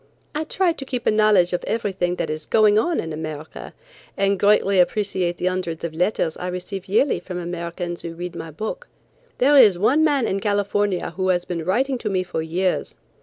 I try to keep a knowledge of everything that is going on in America and greatly appreciate the hundreds of letters I receive yearly from Americans who read my books. There is one man in California who has been writing to me for years.